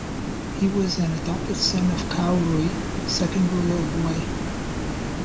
He was an adopted son of Cao Rui, the second ruler of Wei.